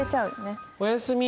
おやすみ。